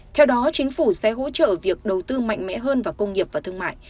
theo đó chính phủ sẽ hỗ trợ việc đầu tư mạnh mẽ hơn vào công nghiệp và thương mại